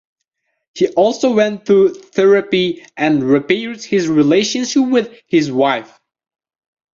He also went to therapy and repaired his relationship with his wife.